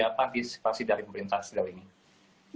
apa disipasi dari pemerintah selalu ini